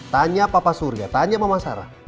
tanya papa surya tanya mama sarah